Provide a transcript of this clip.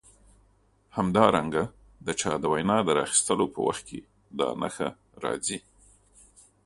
همدارنګه د چا د وینا د راخیستلو په وخت کې دا نښه راځي.